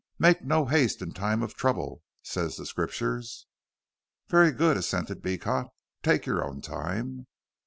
'Make no haste in time of trouble,' says the Scriptures." "Very good," assented Beecot; "take your own time."